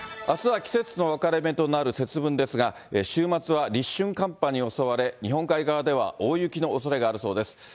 朝は季節の分かれ目となる節分ですが、週末は立春寒波に襲われ、日本海側では大雪のおそれがあるそうです。